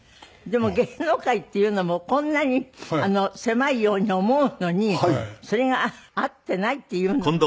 でも芸能界っていうのもこんなに狭いように思うのにそれが会ってないっていうのがね。